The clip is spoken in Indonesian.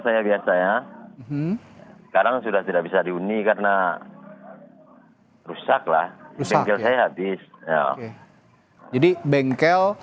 saya biasa ya sekarang sudah tidak bisa dihuni karena hai rusaklah usahelo abis jadi bengkel